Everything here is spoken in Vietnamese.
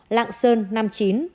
lạng sơn năm mươi chín